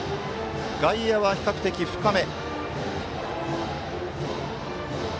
外野は比較的深め。